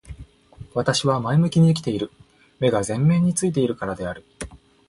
私は前向きに生きている。目が前面に付いているからである。